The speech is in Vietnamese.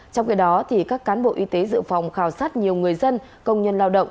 trong khi đó các cán bộ y tế dự phòng khảo sát nhiều người dân công nhân lao động